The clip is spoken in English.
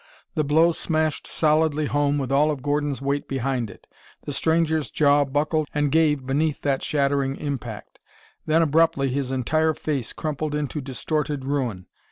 The blow smashed solidly home with all of Gordon's weight behind it. The stranger's jaw buckled and gave beneath that shattering impact. Then abruptly his entire face crumpled into distorted ruin.